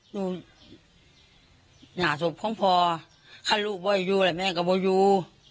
อยู่หน้าศพพ่อช่างรูบลอยอยู่หรือไหมก็ไม่อยู่